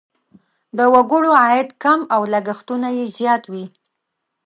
د وګړو عاید کم او لګښتونه یې زیات وي.